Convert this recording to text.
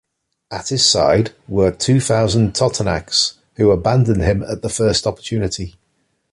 At his side were two thousand Totonacs who abandoned him at the first opportunity.